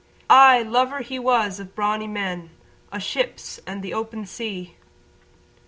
Aye lover he was of brawny men, O' ships and the open sea.